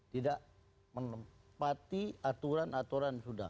tidak menempati aturan aturan